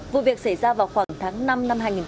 vụ việc xảy ra vào khoảng tháng năm năm hai nghìn hai mươi ba